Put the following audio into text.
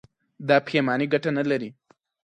دا پښېماني گټه نه لري.